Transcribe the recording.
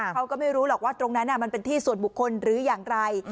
เขาก็ไม่รู้หรอกว่าตรงนั้นมันเป็นที่ส่วนบุคคลหรืออย่างไร